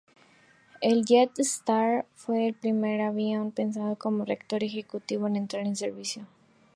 El "JetStar" fue el primer avión pensado como reactor ejecutivo en entrar en servicio.